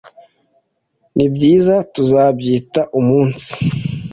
Nibyiza, tuzabyita umunsi?